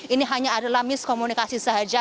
ini hanya adalah miskomunikasi saja